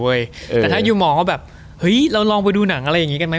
แต่ถ้าคิดว่าเราลองไปดูหนังอะไรอย่างนี้กันมั้ย